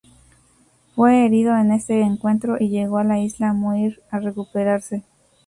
Fue herido en este encuentro y llegó a la Isla Muir a recuperarse.